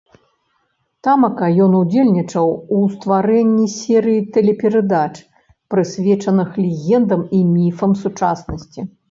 Тамака ён удзельнічаў у стварэнні серыі тэлеперадач, прысвечаных легендам і міфам сучаснасці.